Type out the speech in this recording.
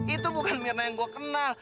itu bukan mirna yang gue kenal